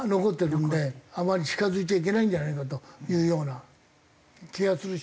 あんまり近付いちゃいけないんじゃないかというような気がするし。